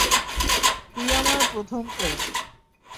তুই আমার প্রথম প্রেম।